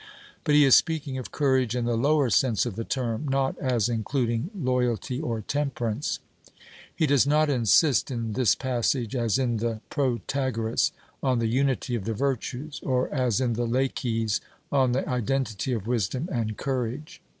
But he is speaking of courage in the lower sense of the term, not as including loyalty or temperance. He does not insist in this passage, as in the Protagoras, on the unity of the virtues; or, as in the Laches, on the identity of wisdom and courage.